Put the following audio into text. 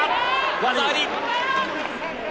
技あり！